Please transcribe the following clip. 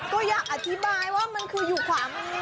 ก็อยากอธิบายว่ามันคืออยู่ขวามือ